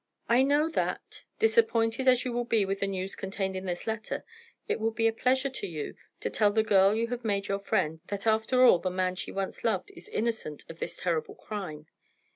"I know that, disappointed as you will be with the news contained in this letter, it will be a pleasure to you to tell the girl you have made your friend, that after all the man she once loved is innocent of this terrible crime.